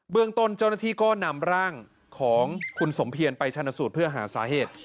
เรื่องต้นเจ้าหน้าที่ก็นำร่างของคุณสมเพียรไปชนะสูตรเพื่อหาสาเหตุ